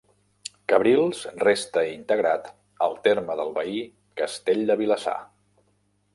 Cabrils restà integrat al terme del veí castell de Vilassar.